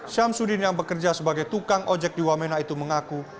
syamsuddin yang bekerja sebagai tukang ojek di wamena itu mengaku